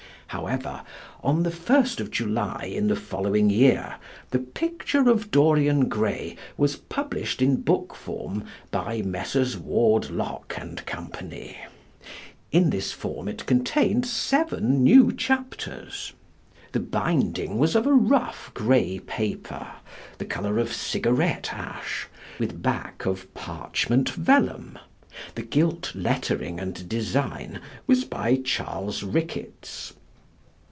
However, on the 1st of July in the following year The Picture of Dorian Gray was published in book form by Messrs. Ward, Lock and Co. In this form it contained seven new chapters. The binding was of a rough grey paper, the colour of cigarette ash, with back of parchment vellum. The gilt lettering and design was by Charles Ricketts.